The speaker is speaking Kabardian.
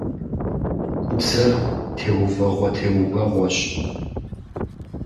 Гудзэр теувэгъуэ-теувэгъуэщ.